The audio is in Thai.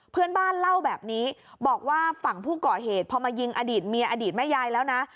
เพื่อนบ้านเล่าแบบนี้บอกว่าฝั่งผู้ก่อเหตุพอมายิงอดีตเมียอดีตแม่ยายแล้วนะ